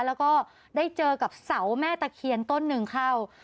แล้วก็ได้เจอกับเสาแม่ตะเคียนต้นหนึ่งเข้า